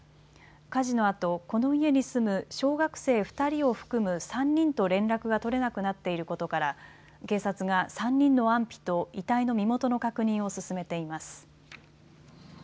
火事のあとこの家に住む小学生２人を含む３人と連絡が取れなくなっていることから警察が３人の安否と遺体の身元の確認を進めています。